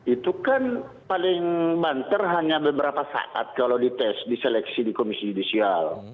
itu kan paling banter hanya beberapa saat kalau dites diseleksi di komisi judisial